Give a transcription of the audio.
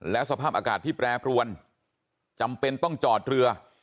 และสภาพอากาศที่แปรปรวนจำเป็นต้องจอดเรือ